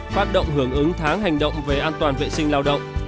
phát động hưởng ứng tháng hành động về an toàn vệ sinh lao động